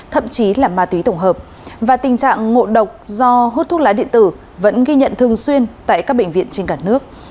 thậm chí là ma túy tổng hợp và tình trạng ngộ độc do hút thuốc lá điện tử vẫn ghi nhận thường xuyên tại các bệnh viện trên cả nước